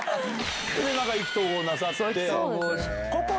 で意気投合なさって。